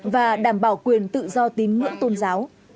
và đảm bảo quyền tự do tín ngưỡng tôn giáo